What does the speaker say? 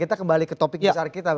kita kembali ke topik besar kita